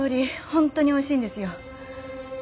本当においしいんですよ。